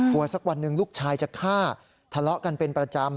สักวันหนึ่งลูกชายจะฆ่าทะเลาะกันเป็นประจำ